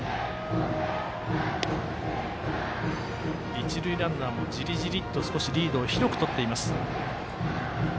一塁ランナーも、じりじりと少しリードを広くとっています。